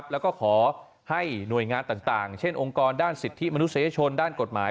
แล้วก็ขอให้หน่วยงานต่างเช่นองค์กรด้านสิทธิมนุษยชนด้านกฎหมาย